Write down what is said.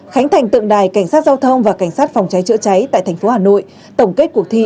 khánh thành tượng đài cảnh sát giao thông và cảnh sát phòng cháy chữa cháy tại tp hà nội